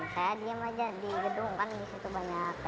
saya pimpuk saya kena tembak